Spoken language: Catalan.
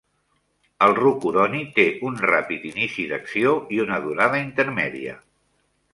El rocuroni té un ràpid inici d'acció i una durada intermèdia.